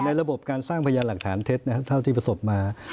ระบบการสร้างพยานหลักฐานเท็จนะครับเท่าที่ประสบมา